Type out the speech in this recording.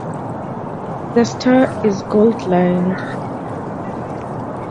The star is gold lined.